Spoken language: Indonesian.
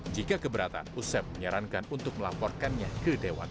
jika keberatan usep menyarankan untuk melaporkannya ke dewan